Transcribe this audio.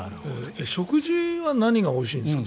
食事は何がおいしいんですか？